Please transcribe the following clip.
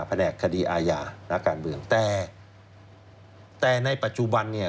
แหนกคดีอาญานักการเมืองแต่แต่ในปัจจุบันเนี่ย